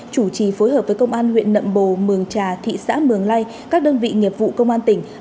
chủ trì phối hợp với công an huyện nậm bồ mường trà thị xã mường lây các đơn vị nghiệp vụ công an tỉnh